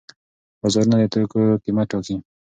بازارونه د توکو قیمت ټاکي.